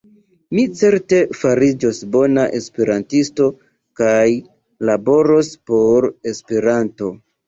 Mi certe fariĝos bona esperantisto kaj laboros por Esperanto.